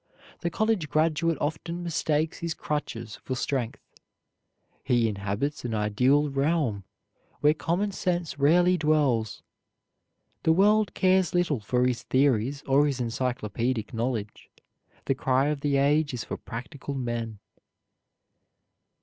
The college graduate often mistakes his crutches for strength. He inhabits an ideal realm where common sense rarely dwells. The world cares little for his theories or his encyclopaedic knowledge. The cry of the age is for practical men.